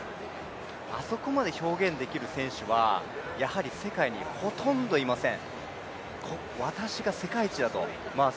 あそこまで表現できる選手はやはり世界にほとんどいません。